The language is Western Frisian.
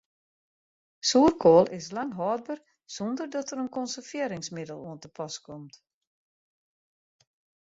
Soerkoal is lang hâldber sonder dat der in konservearringsmiddel oan te pas komt.